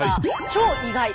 超意外！